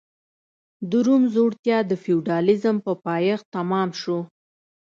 د روم ځوړتیا د فیوډالېزم په پایښت تمام شو